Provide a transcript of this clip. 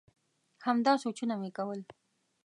همدا سوچونه مي کول ؟